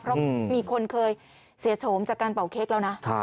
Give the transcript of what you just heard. เพราะมีคนเคยเสียโฉมจากการเป่าเค้กแล้วนะ